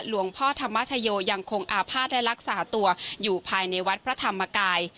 หลวงพ่อธรรมชโยยังคงอาภาษณ์และรักษาตัวอยู่ภายในวัดพระธรรมกาย